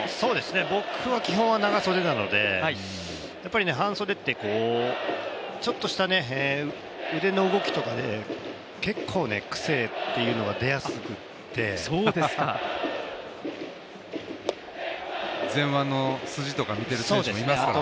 僕は基本は長袖なので、半袖ってちょっとした腕の動きとかで結構、癖とかが出やすくて前腕の筋とか見ていますからね。